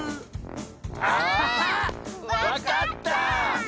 あわかった！